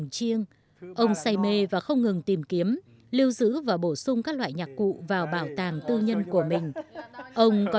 cái sự mình tập được